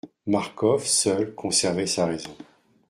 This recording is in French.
Marcof seul conservait sa raison.